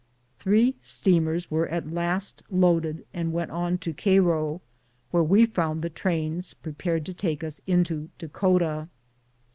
Three steamers were 14 BOOTS AND SADDLES. at last loaded and we went on to Cairo, where we found the trains prepared to take ns into Dakota.